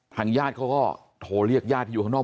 ญาติเขาก็โทรเรียกญาติที่อยู่ข้างนอก